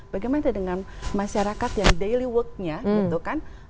bagaimana dengan masyarakat yang daily worknya gitu kan